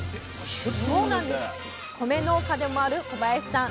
米農家でもある小林さん。